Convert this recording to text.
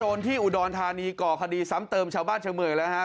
โจรที่อุดรธานีก่อคดีซ้ำเติมชาวบ้านเฉพาะเมยนะ